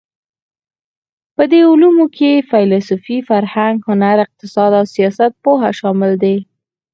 په دې علومو کې فېلسوفي، فرهنګ، هنر، اقتصاد او سیاستپوهه شامل دي.